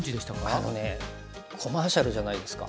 あのねコマーシャルじゃないですか？